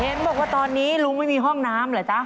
เห็นบอกว่าตอนนี้ลุงไม่มีห้องน้ำเหรอจ๊ะ